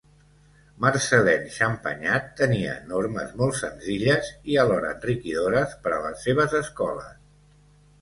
Marcellín Champagnat tenia normes molt senzilles i alhora enriquidores per a les seves escoles.